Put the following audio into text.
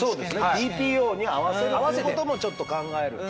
ＴＰＯに合わせるということもちょっと考えるとか。